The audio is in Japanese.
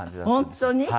本当に？